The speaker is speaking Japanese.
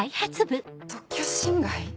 特許侵害？